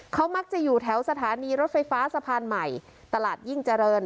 เขามักจะอยู่แถวสถานีรถไฟฟ้าสะพานใหม่ตลาดยิ่งเจริญ